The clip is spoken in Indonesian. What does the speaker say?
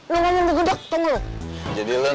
neng mamun gue gedek tau gak lo